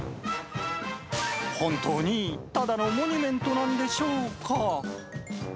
本当に、ただのモニュメントなんでしょうか。